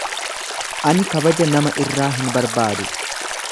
Ani kabaja nama irraa hin barbaadu.